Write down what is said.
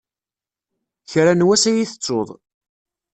Kra n wass ad yi-tettuḍ.